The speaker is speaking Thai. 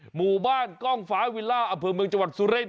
หมู่บ้านกล้องฟ้าวิลล่าอำเภอเมืองจังหวัดสุรินท